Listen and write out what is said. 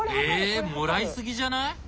え！もらいすぎじゃない！？